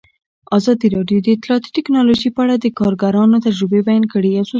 ازادي راډیو د اطلاعاتی تکنالوژي په اړه د کارګرانو تجربې بیان کړي.